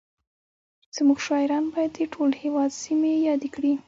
زموږ شاعران باید د ټول هېواد سیمې یادې کړي